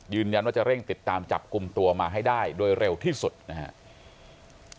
ยืนยันว่าจะเร่งติดตามจับกลุ่มตัวมาให้ได้โดยเร็วที่สุดนะครับ